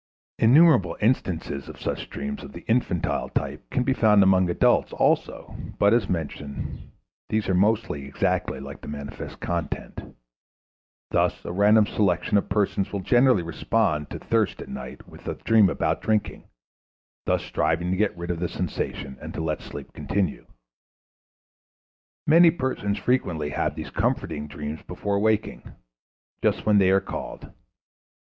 Innumerable instances of such dreams of the infantile type can be found among adults also, but, as mentioned, these are mostly exactly like the manifest content. Thus, a random selection of persons will generally respond to thirst at night time with a dream about drinking, thus striving to get rid of the sensation and to let sleep continue. Many persons frequently have these comforting dreams before waking, just when they are called.